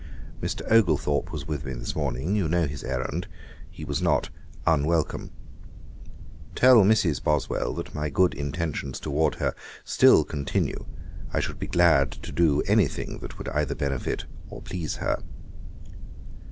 'Mr. Oglethorpe was with me this morning, you know his errand. He was not unwelcome. 'Tell Mrs. Boswell that my good intentions towards her still continue I should be glad to do any thing that would either benefit or please her.